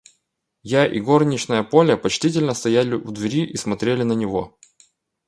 Я и горничная Поля почтительно стояли у двери и смотрели на него.